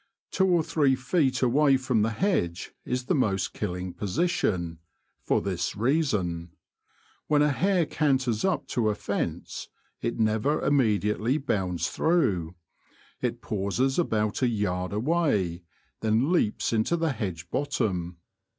Two or three feet away from the hedge is the most killing position — for this reason : when a hare canters up to a fence it never immediately bounds through ; it pauses about a yard away, then leaps into the hedge bottom.